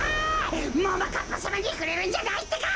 ももかっぱさまにふれるんじゃないってか！